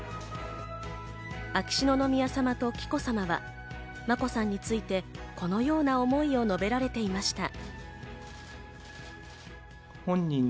秋篠宮さまと紀子さまは眞子さんについてこのような思いを述べられていました。